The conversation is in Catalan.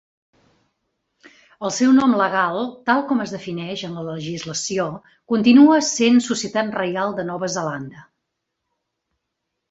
El seu nom legal, tal com es defineix en la legislació, continua sent Societat Reial de Nova Zelanda.